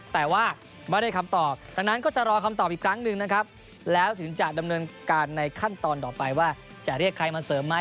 แต่ว่าไม่ได้คำตอบดังนั้นก็จะรอคำตอบอีกครั้งหนึ่งนะครับแล้วถึงจะดำเนินการในขั้นตอนต่อไปว่าจะเรียกใครมาเสริมไหม